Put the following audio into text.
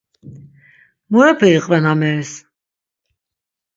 Murepe iqven ameris?